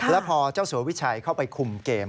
แล้วพอเจ้าสัววิชัยเข้าไปคุมเกม